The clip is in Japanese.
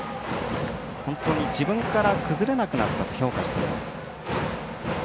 本当に自分から崩れなくなったと評価しています。